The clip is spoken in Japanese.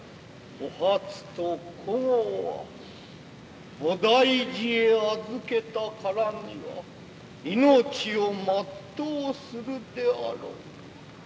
お初と江は菩提寺へ預けたからには命を全うするであろう。